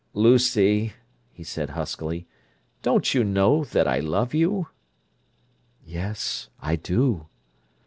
"Lucy," he said huskily. "Don't you know that I love you?" "Yes—I do."